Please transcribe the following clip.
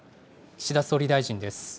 岸田総理大臣です。